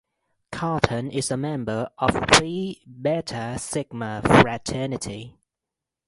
Carthon is a member of Phi Beta Sigma fraternity.